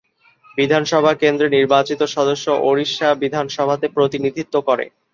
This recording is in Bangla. বিধানসভা কেন্দ্রের নির্বাচিত সদস্য ওড়িশা বিধানসভাতে প্রতিনিধিত্ব করে।